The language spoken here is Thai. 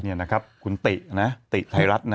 นี่นะครับคุณตินะติไทยรัฐนะ